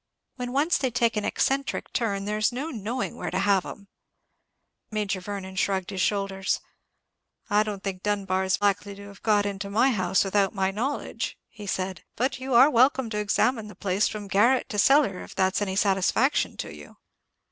When once they take an eccentric turn, there's no knowing where to have 'em." Major Vernon shrugged his shoulders. "I don't think Dunbar's likely to have got into my house without my knowledge," he said; "but you are welcome to examine the place from garret to cellar if that's any satisfaction to you."